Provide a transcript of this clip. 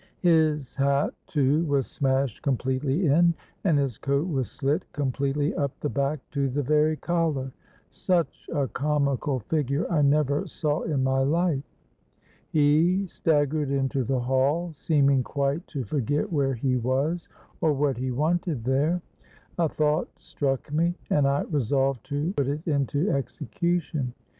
His hat, too, was smashed completely in; and his coat was slit completely up the back to the very collar. Such a comical figure I never saw in my life. He staggered into the hall, seeming quite to forget where he was, or what he wanted there. A thought struck me, and I resolved to put it into execution.